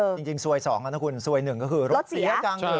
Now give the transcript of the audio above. จริงสวย๒นะคุณสวย๑ก็คือรถเสียกัง